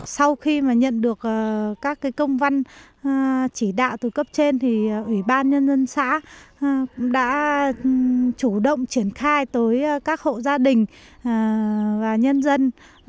sau khi nhận được các công văn chỉ đạo từ cấp trên thì ủy ban nhân dân xã cũng đã chủ động triển khai tới các hộ gia đình và nhân dân